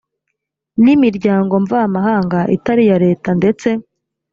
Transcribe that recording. n imiryango mvamahanga itari iya leta ndetse